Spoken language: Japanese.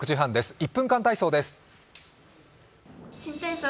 １分間体操です。